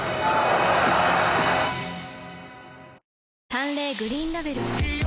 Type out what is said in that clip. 淡麗グリーンラベル